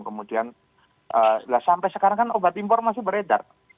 kemudian sampai sekarang kan obat impor masih beredar